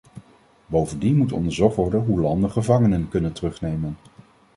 Bovendien moet onderzocht worden hoe landen gevangenen kunnen terugnemen.